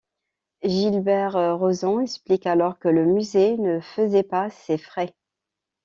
Gilbert Rozon explique alors que le Musée ne faisait pas ses frais.